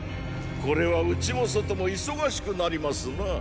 これは内も外も忙しくなりますなァ！